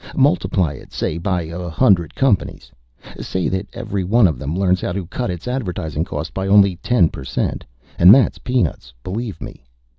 Multiply it, say, by a hundred companies. Say that every one of them learns how to cut its advertising cost by only ten per cent. And that's peanuts, believe me!